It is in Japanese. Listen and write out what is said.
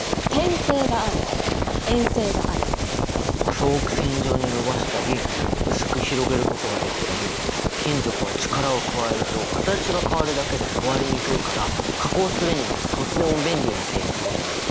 細く線状に延ばしたり薄く広げることができたり金属は力を加えると形が変わるだけで壊れにくいから加工するにもとっても便利な性質だよね。